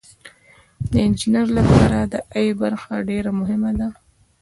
د انجینر لپاره د ای برخه ډیره مهمه ده.